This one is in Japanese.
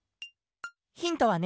ヒントはね